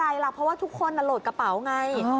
เพราะว่าทุกคนลดกระเป๋าไง